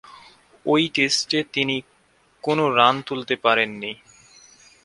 ঐ টেস্টে তিনি কোন রান তুলতে পারেননি।